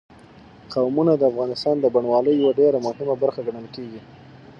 قومونه د افغانستان د بڼوالۍ یوه ډېره مهمه برخه ګڼل کېږي.